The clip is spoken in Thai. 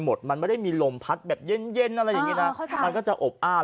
หมดมันไม่ได้มีลมพัดแบบเย็นเย็นอะไรอย่างนี้นะมันก็จะอบอ้าว